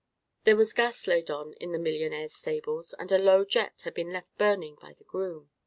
There was gas laid on in the millionaire's stables, and a low jet had been left burning by the groom.